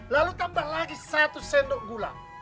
lalu tambah lagi seratus sendok gula